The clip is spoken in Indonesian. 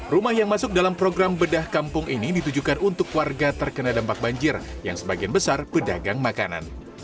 rumah yang masuk dalam program bedah kampung ini ditujukan untuk warga terkena dampak banjir yang sebagian besar pedagang makanan